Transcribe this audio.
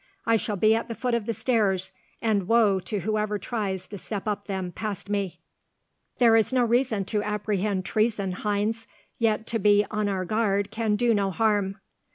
I shall be at the foot of the stairs, and woe to whoever tries to step up them past me." "There is no reason to apprehend treason, Heinz, yet to be on our guard can do no harm."